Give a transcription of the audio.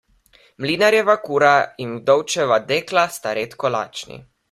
Mlinarjeva kura in vdovčeva dekla sta redko lačni.